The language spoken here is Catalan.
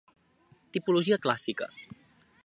Tipologia clàssica.